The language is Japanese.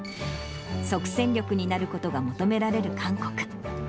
即戦力になることが求められる韓国。